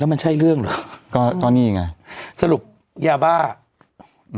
แล้วมันใช่เรื่องเหรอก็ตอนนี้ไงสรุปอย่าบ้าอืม